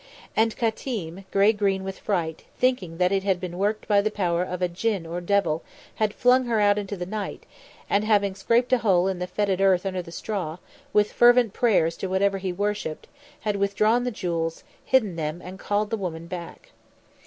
And Qatim, grey green with fright, thinking that it had been worked by the power of a djinn or devil, had flung her out into the night, and having scraped a hole in the foetid earth under the straw, with fervent prayers to whatever he worshipped, had withdrawn the jewels, hidden them, and called the woman back.